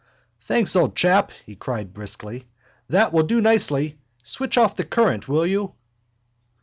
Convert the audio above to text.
—Thanks, old chap, he cried briskly. That will do nicely. Switch off the current, will you?